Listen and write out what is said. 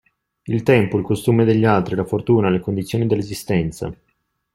Il tempo, il costume degli altri, la fortuna, le condizioni dell'esistenza.